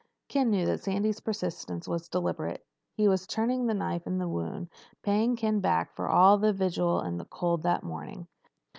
Ken knew that Sandy's persistence was deliberate. He was turning the knife in the wound, paying Ken back for that long vigil in the cold that morning.